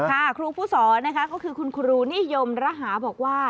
ครูผู้สอนนะคะก็คือคุณครูนิยมระหาบอกว่า